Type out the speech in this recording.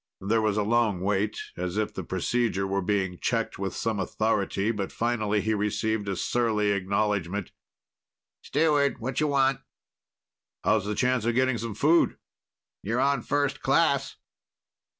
There was a long wait, as if the procedure were being checked with some authority, but finally he received a surly acknowledgement. "Steward. Whatcha want?" "How's the chance of getting some food?" "You're on first class."